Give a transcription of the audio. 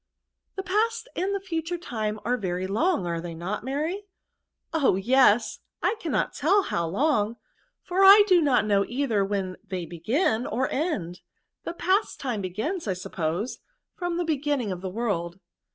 '' The past and the future time are very long, are they not, Mary ?"Oh ! yes ; I cannot teU how long, for I do not know either when they begin or end. The past time begins, I suppose, from the be ginning of the world."